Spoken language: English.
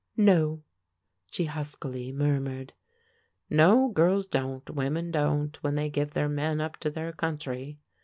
"No," she huskily murmured. "No, girls don't; women don't, when they give their men up to their country.